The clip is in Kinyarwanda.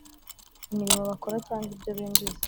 imirimo bakora cyangwa ibyo binjiza .